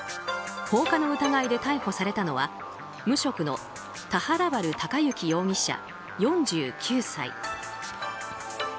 放火の疑いで逮捕されたのは無職の田原春貴之容疑者、４９歳。